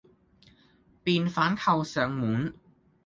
便反扣上門，